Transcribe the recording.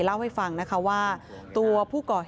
เล่าให้ฟังนะคะว่าตัวผู้ก่อนผู้ออกมานี่